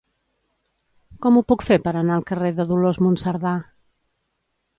Com ho puc fer per anar al carrer de Dolors Monserdà?